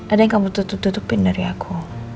ada yang kamu tutupin dari aku